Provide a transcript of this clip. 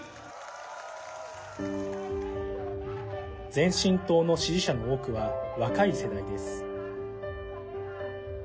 前進党の支持者の多くは若い世代です。